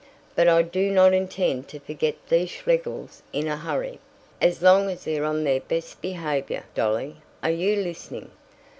But I do not intend to forget these Schlegels in a hurry. As long as they're on their best behaviour Dolly, are you listening?